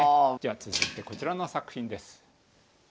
続いてこちらの作品です。